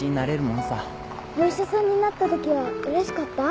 お医者さんになったときはうれしかった？